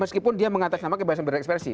meskipun dia mengatasi nama kebebasan berekspresi